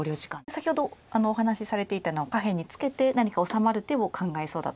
先ほどお話しされていたのは下辺にツケて何か治まる手を考えそうだと。